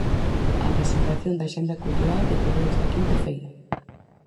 A presentación da axenda cultural decorreu esta quinta feira.